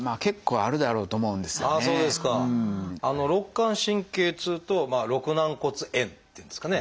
肋間神経痛と肋軟骨炎っていうんですかね。